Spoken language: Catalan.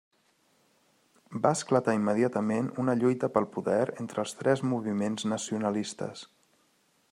Va esclatar immediatament una lluita pel poder entre els tres moviments nacionalistes.